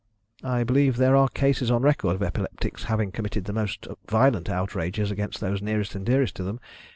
"I believe there are cases on record of epileptics having committed the most violent outrages against those nearest and dearest to them.